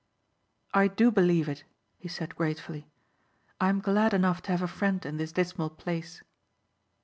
"I do believe it," he said gratefully. "I am glad enough to have a friend in this dismal place."